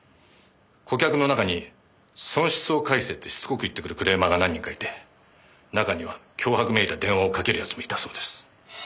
顧客の中に損失を返せってしつこく言ってくるクレーマーが何人かいて中には脅迫めいた電話をかける奴もいたそうです。